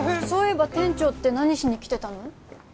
そういえば店長って何しに来てたの？